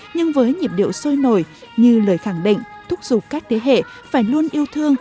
nhưng với nhịp điệu sôi nổi như lời khẳng định thúc giục các thế hệ phải luôn yêu thương